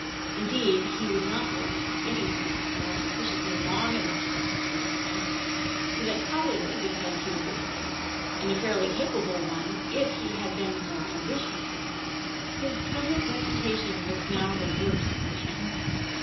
Indeed, he would not work at anything for a sufficiently long enough time to make it count, so that probably because he was a boy, and a fairly capable one if he had been more ambitious, his present reputation was now the worst in the family.